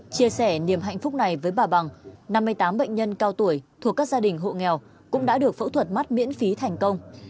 chia sẻ niềm hạnh phúc này với bà bằng năm mươi tám bệnh nhân cao tuổi thuộc các gia đình hộ nghèo cũng đã được phẫu thuật mắt miễn phí thành công